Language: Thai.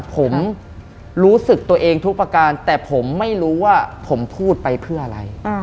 ผมรู้สึกตัวเองทุกประการแต่ผมไม่รู้ว่าผมพูดไปเพื่ออะไร